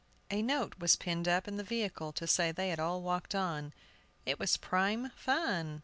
A note was pinned up in the vehicle to say they had all walked on; it was "prime fun."